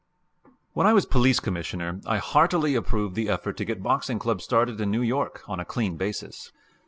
When I was Police Commissioner, I heartily approved the effort to get boxing clubs started in New York on a clean basis.